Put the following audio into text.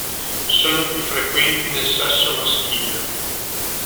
Sono più frequenti nel sesso maschile.